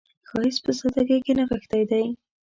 ښایست په سادګۍ کې نغښتی دی